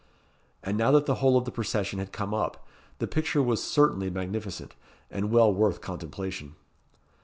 And now that the whole of the procession had come up, the picture was certainly magnificent, and well worth contemplation.